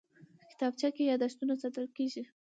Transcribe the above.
کتابچه کې یادښتونه ساتل کېږي